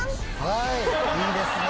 いいですね！